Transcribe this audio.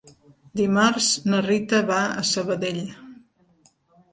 Dimarts na Rita va a Sabadell.